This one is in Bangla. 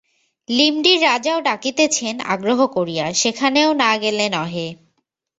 লিমডির রাজাও ডাকিতেছেন আগ্রহ করিয়া, সেখানেও না গেলে নহে।